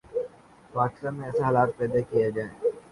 پاکستان میں ایسے حالات پیدا کئیے جائیں